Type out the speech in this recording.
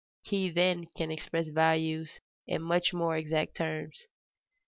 He then can express values in much more exact terms.